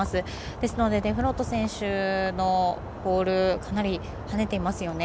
ですのでデフロート選手のボールかなり、はねていますよね。